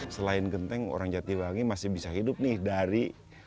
selain genting orang jatibangi masih bisa hidup dengan bentuk bentuk yang lain